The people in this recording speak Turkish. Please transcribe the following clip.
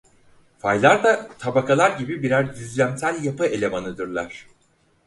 Faylar da tabakalar gibi birer düzlemsel yapı elemanıdırlar.